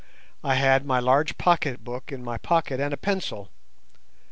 I had my large pocket book in my pocket and a pencil.